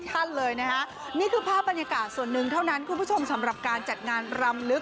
หลังชะนามว่าพี่ฟ้าที่คิดว่าที่รีวไฟแห่งปลาย